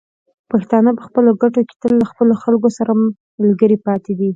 پښتانه په خپلو ګټو کې تل له خپلو خلکو سره ملګري پاتې دي.